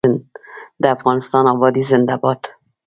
د افغانستان ابادي زنده باد.